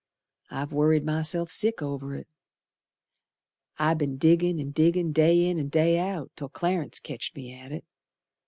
I've worried myself sick over it. I be'n diggin' and diggin' day in and day out Till Clarence ketched me at it.